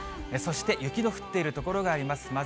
そして、雪の降っている所があります。